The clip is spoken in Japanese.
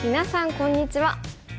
こんにちは。